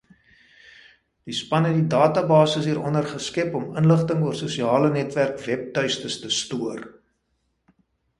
Die span het die databasis hieronder geskep om inligting oor sosialenetwerk-webtuistes te stoor.